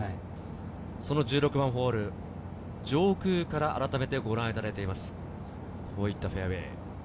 １６番ホール、上空からご覧いただいています。